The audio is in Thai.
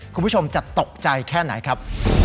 คุณผู้ชมจะตกใจแค่ไหนครับ